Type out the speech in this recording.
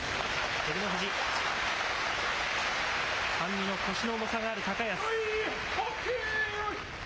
照ノ富士、半身の腰の重さがある高安。